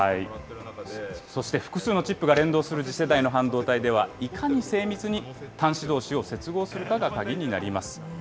そして複数のチップが連動する次世代の半導体では、いかに精密に端子どうしを接合するかが鍵になります。